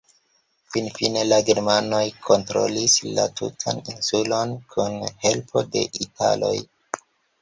Finfine la germanoj kontrolis la tutan insulon kun helpo de italoj.